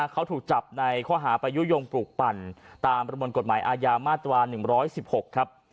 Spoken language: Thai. เขาถูกจับในข้อหาไปยุโยงปลูกปั่นตามประมวลกฎหมายอาญามาตรา๑๑๖ครับ